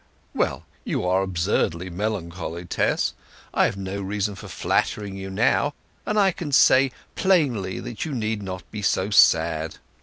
"Well, you are absurdly melancholy, Tess. I have no reason for flattering you now, and I can say plainly that you need not be so sad.